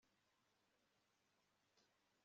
Icyakora iyo umubare w Abakomiseri